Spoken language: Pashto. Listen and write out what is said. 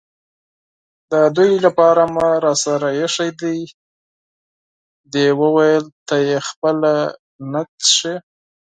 د هغوی لپاره مې راسره اېښي دي، دې وویل: ته یې خپله نه څښې؟